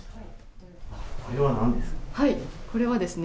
これはなんですか？